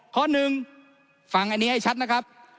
ข้อหนึ่งฟังอันนี้ให้ชัดนะครับ